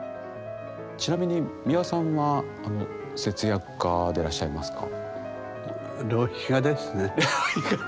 ちなみに美輪さんは節約家でいらっしゃいますか？